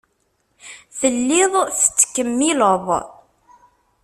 Telliḍ tettkemmileḍ.